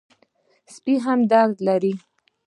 سپي هم درد لري.